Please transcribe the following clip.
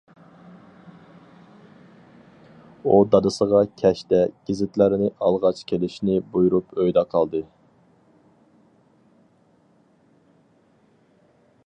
ئۇ دادىسىغا كەچتە گېزىتلەرنى ئالغاچ كېلىشىنى بۇيرۇپ ئۆيدە قالدى.